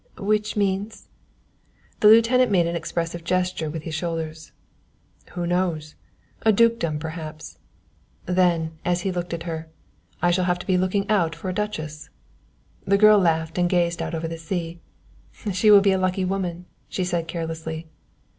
"Which means ?" The lieutenant made an expressive gesture with his shoulders. "Who knows? A dukedom perhaps"; then, as he looked at her, "I shall have to be looking out for a duchess." The girl laughed, and gazed out over the sea. "She will be a lucky woman," she said carelessly.